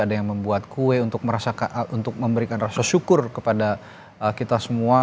ada yang membuat kue untuk memberikan rasa syukur kepada kita semua